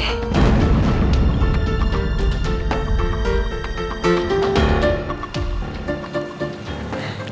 bukan anak roy